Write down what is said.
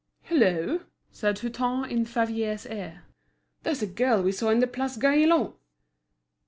"Hullo!" said Hutin in Favier's ear; "there's the girl we saw in the Place Gaillon."